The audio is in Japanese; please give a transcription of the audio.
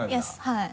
はい。